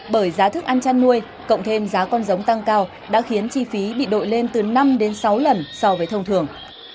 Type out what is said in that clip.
bởi giá thức ăn chăn nuôi cộng thêm giá con giống tăng cao đã khiến chi phí bị đội lên từ năm đến sáu lần so với thông thường